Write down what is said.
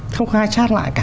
không có ai chát lại cả